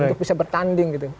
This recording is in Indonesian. itu bisa bertanding gitu